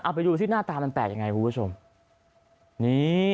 เดี๋ยวดูสิหน้าตามันแปลกยังไง